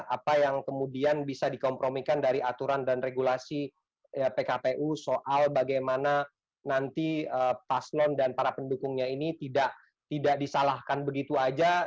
apa yang kemudian bisa dikompromikan dari aturan dan regulasi pkpu soal bagaimana nanti paslon dan para pendukungnya ini tidak disalahkan begitu saja